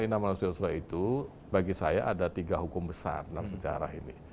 inna mahalusri usula itu bagi saya ada tiga hukum besar dalam sejarah ini